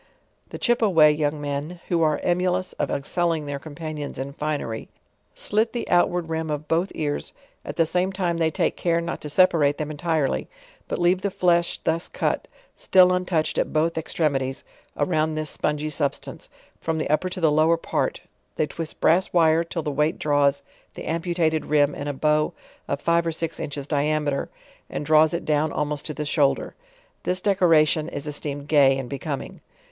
The Chipaway young men, who are emulous of excelling their companions in fineny, slit the outward rim of both ears; at the same time they t^ke care not to separate them entire ly, but leave the flesh thus cut, still untouched at both ex tremities; around this spungy substance, from the upper to the lower part, they twist brass wire till the weight draw s the amputated rim in a bow of five or six inches diameter and draws it down almost to the shoulder. This decoration' is esteemed gay and becoming.